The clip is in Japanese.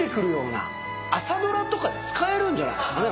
朝ドラとかで使えるんじゃないですかね